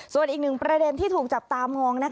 ส่วนอีกหนึ่งประเด็นที่ถูกจับตามอง